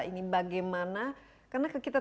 ini bagaimana karena kita